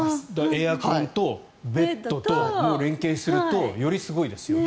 エアコンとベッドと連携するとよりすごいですよと。